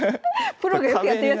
プロがよくやってるやつ。